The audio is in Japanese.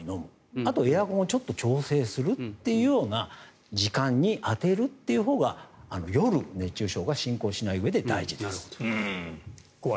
あとエアコンをちょっと調整するような時間に充てるというほうが夜、熱中症が怖いですね。